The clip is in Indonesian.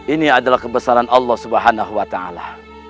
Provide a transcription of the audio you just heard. ini adalah kebesaran allah subhanahu wa ta'ala